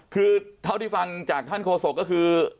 คือเท่าที่ฟังจากท่านโฆษกก็คือ